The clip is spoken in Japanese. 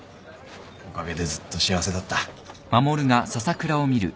おかげでずっと幸せだった。